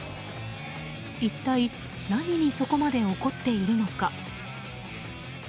一体何にそこまで怒っているのか。